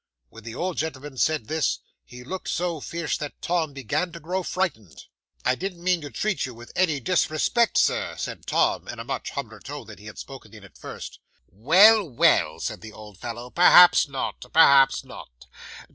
When the old gentleman said this, he looked so fierce that Tom began to grow frightened. '"I didn't mean to treat you with any disrespect, Sir," said Tom, in a much humbler tone than he had spoken in at first. '"Well, well," said the old fellow, "perhaps not perhaps not.